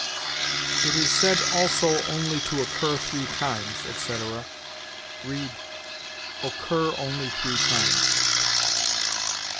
"It is said also only to occur three times," etc.; read, "occur only three times."